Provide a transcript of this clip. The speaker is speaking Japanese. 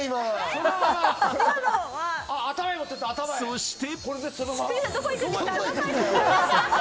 そして。